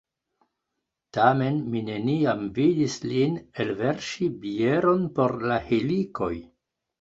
Tamen mi neniam vidis lin elverŝi bieron por la helikoj.